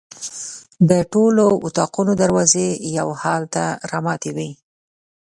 د ټولو اطاقونو دروازې یو حال ته رامتې وې.